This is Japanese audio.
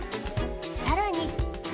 さらに。